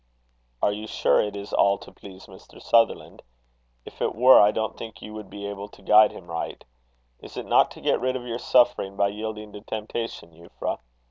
"Are you sure it is all to please Mr. Sutherland? If it were, I don't think you would be able to guide him right. Is it not to get rid of your suffering by yielding to temptation, Euphra?